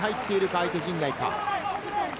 相手陣内か？